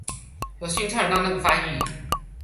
有幸參與到那個翻譯